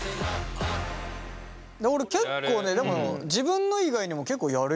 俺結構ねでも自分の以外にも結構やるよ。